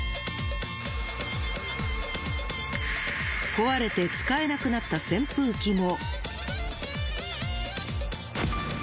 壊れて使えなくなった扇風機も。